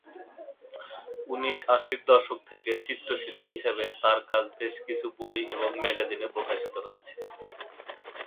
উনিশ আশির দশক থেকে চিত্রশিল্পী হিসেবে তার কাজ বেশ কিছু বই এবং ম্যাগাজিনে প্রকাশিত হয়েছে।